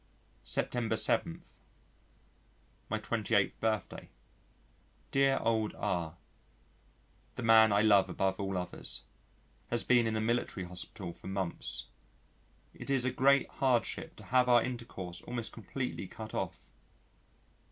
September 7. My 28th birthday. Dear old R (the man I love above all others) has been in a military hospital for months. It is a great hardship to have our intercourse almost completely cut off.